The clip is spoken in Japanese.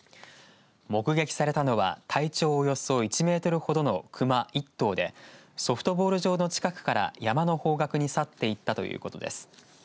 目撃されたのは体長およそ１メートルほどの熊１頭でソフトボール場の近くから山の方角に去っていったということです。